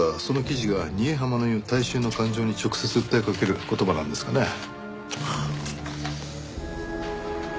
その記事が仁江浜の言う大衆の感情に直接訴えかける言葉なんですかね。